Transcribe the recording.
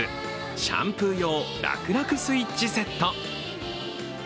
シャンプー用らくらくスイッチセット。